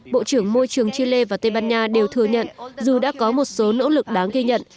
bộ trưởng môi trường chile và tây ban nha đều thừa nhận dù đã có một số nỗ lực đáng ghi nhận